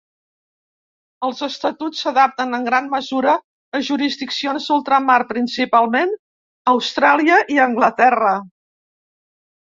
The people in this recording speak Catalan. Els estatuts s'adapten en gran mesura a jurisdiccions d'ultramar, principalment Austràlia i Anglaterra.